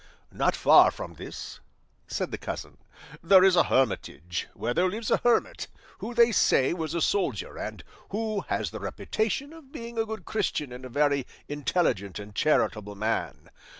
"Not far from this," said the cousin, "there is a hermitage, where there lives a hermit, who they say was a soldier, and who has the reputation of being a good Christian and a very intelligent and charitable man.